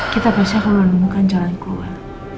kita pasti akan menemukan jalan keluar